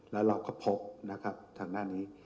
แล้วเราก็พบนะครับทางด้านนี้